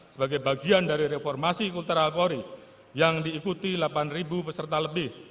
sebagai bagian dari reformasi kultural polri yang diikuti delapan peserta lebih